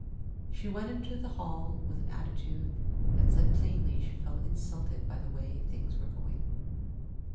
She went into the hall with an attitude that said plainly she felt insulted by the way things were going.